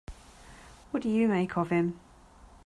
What do you make of him?